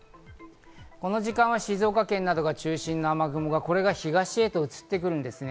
この時間は静岡県などが中心の雨雲が、これが東へ移ってくるんですね。